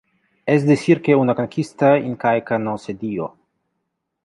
Es decir que una conquista incaica no se dio.